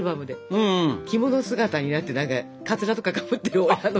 着物姿になってカツラとかかぶってる親の姿。